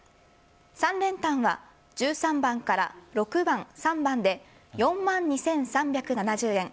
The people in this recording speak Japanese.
３連単は１３番から６番、３番で４万２３７０円。